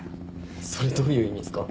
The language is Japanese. それどういう意味っすか？